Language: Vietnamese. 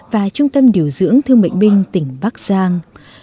và trung tâm điều dưỡng thương bệnh binh tỉnh bắc giang